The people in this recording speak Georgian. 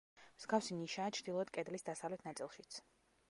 მსგავსი ნიშაა ჩრდილოთ კედლის დასავლეთ ნაწილშიც.